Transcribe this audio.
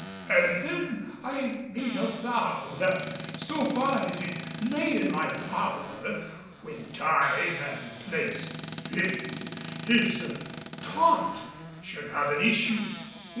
And then I made a vow that, so far as it lay in my power when time and place fitted, his taunt should have an issue.